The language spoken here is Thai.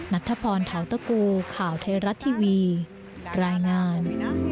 นัทธพรเทาตะกูข่าวไทยรัฐทีวีรายงาน